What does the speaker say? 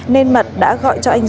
nên mật đã gọi cho anh duy